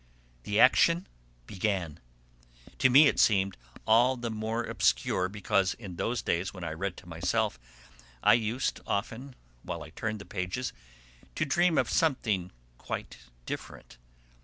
The 'action' began: to me it seemed all the more obscure because in those days, when I read to myself, I used often, while I turned the pages, to dream of something quite different.